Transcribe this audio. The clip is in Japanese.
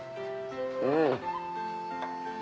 うん。